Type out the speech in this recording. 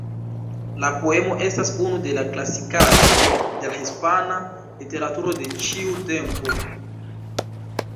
La poemo estas unu de la klasikaĵoj de la hispana literaturo de ĉiu tempo.